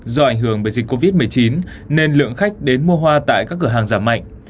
do ảnh hưởng bởi dịch covid một mươi chín nên lượng khách đến mua hoa tại các cửa hàng giảm mạnh